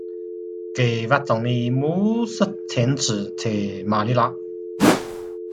该物种的模式产地在马尼拉。